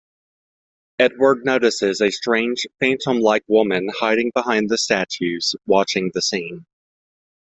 Edward notices a strange phantom-like woman hiding behind the statues watching the scene.